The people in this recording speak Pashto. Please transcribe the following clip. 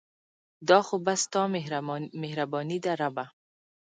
دا خو بس ستا مهرباني ده ربه